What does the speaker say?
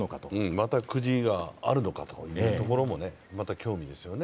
またくじがあるのかというところも興味ですよね。